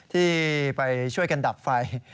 ที่ไปช่วยกันดับไฟ